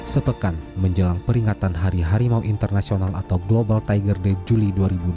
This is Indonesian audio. sepekan menjelang peringatan hari harimau internasional atau global tiger day juli dua ribu dua puluh